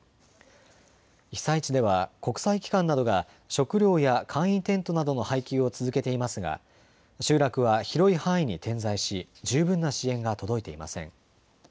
被災地では国際機関などが食料や簡易テントなどの配給を続けていますが集落は広い範囲に点在し十分な支援が届いていません。